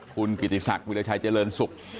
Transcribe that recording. คุณกิติศักดิ์วิลชัยเจริญสุข